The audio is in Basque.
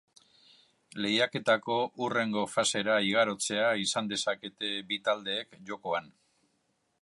Lehiaketako hurrengo fasera igarotzea izan dezakete bi taldeek jokoan.